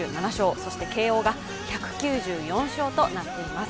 そして慶応が１９４勝となっています。